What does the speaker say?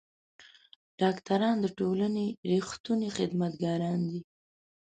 ډاکټران د ټولنې رښتوني خدمتګاران دي.